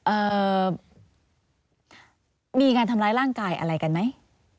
เอ่อมีการทำร้ายร่างกายอะไรกันไหม